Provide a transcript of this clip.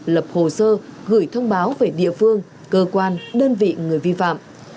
lập hồ sơ gửi thông báo về địa phương cơ quan đơn vị người vi phạm